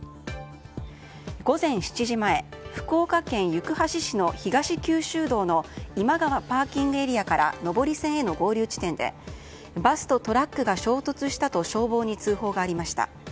午前７時前、福岡県行橋市の東九州道の今川ＰＡから上り線への合流地点でバスとトラックが衝突したと消防に通報がありました。